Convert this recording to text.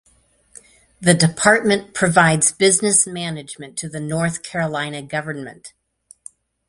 The department provides business management to the North Carolina government.